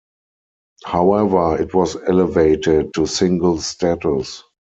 However, it was elevated to single status.